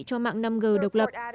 cho mạng năm g độc lập